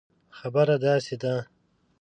خبره داسي ده